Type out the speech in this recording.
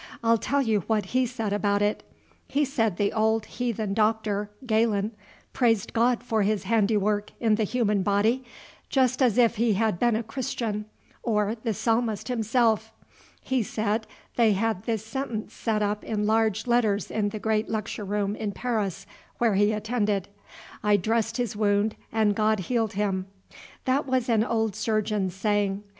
I'll tell you what he said about it. He said the old Heathen Doctor, Galen, praised God for his handiwork in the human body, just as if he had been a Christian, or the Psalmist himself. He said they had this sentence set up in large letters in the great lecture room in Paris where he attended: I dressed his wound and God healed him. That was an old surgeon's saying.